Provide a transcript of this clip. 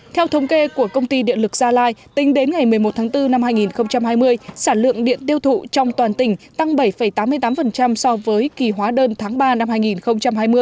theo thống kê của công ty điện lực gia lai tính đến ngày một mươi một tháng bốn năm hai nghìn hai mươi sản lượng điện tiêu thụ trong toàn tỉnh tăng bảy tám mươi tám so với kỳ hóa đơn tháng ba năm hai nghìn hai mươi